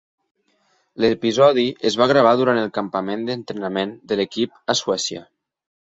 L'episodi es va gravar durant el campament d'entrenament de l'equip a Suècia.